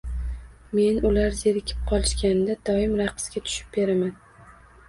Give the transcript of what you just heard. Men ular zerikib qolishganda doim raqsga tushib beraman.